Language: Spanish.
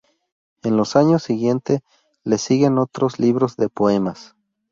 En los años siguiente le siguen otros libros de poemas...